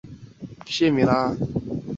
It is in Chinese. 绕回公车站